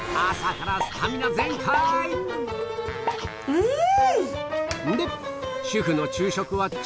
うん！